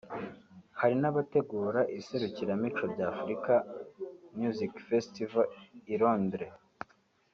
hari n’abategura iserukiramuco rya African Music Festival i Londres